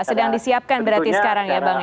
sedang disiapkan berarti sekarang ya bang